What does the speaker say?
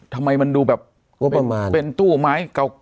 ทำไมมันดูแบบเป็นตู้ไหม